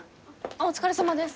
お疲れさまです。